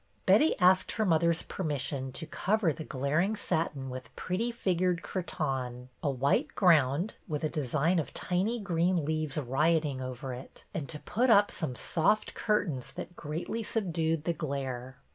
Betty asked her mother's permission to cover the glaring satin with pretty figured cretonne, a white ground with a design of tiny green leaves rioting over it, and to put up some soft curtains that greatly subdued the glare.